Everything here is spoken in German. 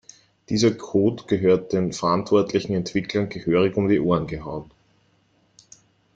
Dieser Code gehört den verantwortlichen Entwicklern gehörig um die Ohren gehauen.